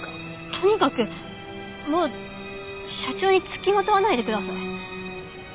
とにかくもう社長に付きまとわないでください。